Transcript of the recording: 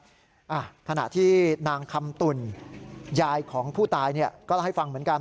ขณะที่นางคำตุ่นยายของผู้ตายเนี่ยก็เล่าให้ฟังเหมือนกัน